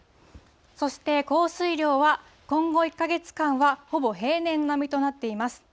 そして、降水量は、今後１か月間はほぼ平年並みとなっています。